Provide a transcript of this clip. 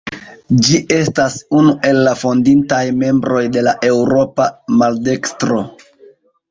Ĝi estas unu el la fondintaj membroj de la Eŭropa Maldekstro.